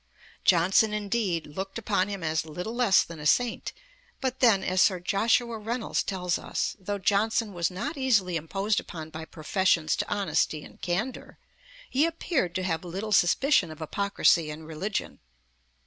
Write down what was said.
Johnson, indeed, looked upon him as little less than a saint; but then, as Sir Joshua Reynolds tells us, though 'Johnson was not easily imposed upon by professions to honesty and candour, he appeared to have little suspicion of hypocrisy in religion.'